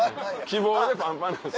希望でパンパンなんです。